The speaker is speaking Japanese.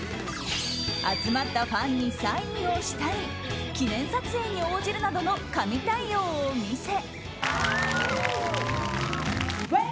集まったファンにサインをしたり記念撮影に応じるなどの神対応を見せ。